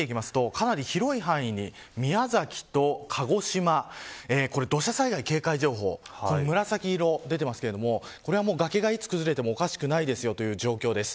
かなり広い範囲、宮崎と鹿児島土砂災害警戒情報紫色が出ていますがこれは崖がいつ崩れてもおかしくないという状況です。